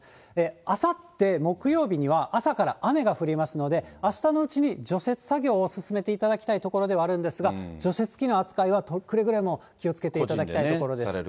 あさって木曜日には、朝から雨が降りますので、あしたのうちに除雪作業を進めていただきたいところではあるんですが、除雪機の扱いはくれぐれも気をつけていただきたいところです。